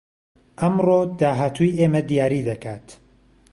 ئەمڕۆ داهاتووی ئێمە دیاری دەکات